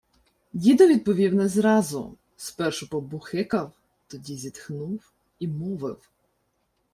Дідо відповів не зразу. Спершу побухикав, тоді зітхнув і мовив: